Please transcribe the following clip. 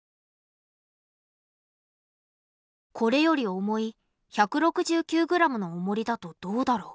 これより重い１６９ｇのおもりだとどうだろう？